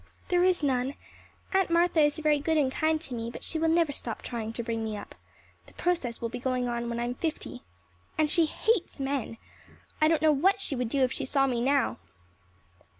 "There is none. Aunt Martha is very good and kind to me, but she will never stop trying to bring me up. The process will be going on when I am fifty. And she hates men! I don't know what she would do if she saw me now."